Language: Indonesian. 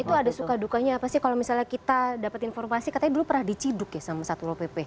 itu ada suka dukanya apa sih kalau misalnya kita dapat informasi katanya dulu pernah diciduk ya sama satpol pp